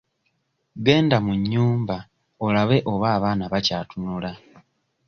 Genda mu nnyumba olabe oba abaana bakyatunula.